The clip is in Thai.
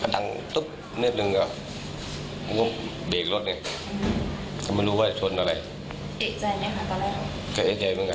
ตกใยเหมือนกันว่าเพราะว่า